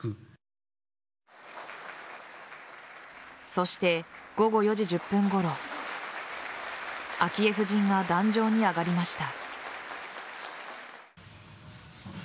そして、午後４時１０分ごろ昭恵夫人が壇上に上がりました。